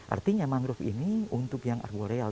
artinya mangrove ini untuk yang argoreal